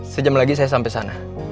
sejam lagi saya sampai sana